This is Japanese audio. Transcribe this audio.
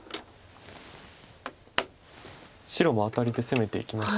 白もアタリで攻めていきました。